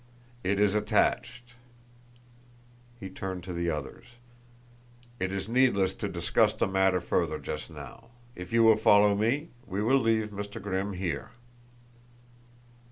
It is attached." He turned to the others. "It is needless to discuss the matter further just now. If you will follow me? We will leave Mr. Grimm here."